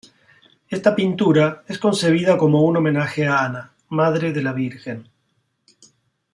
Esta pintura es concebida como un homenaje a Ana, madre de la Virgen.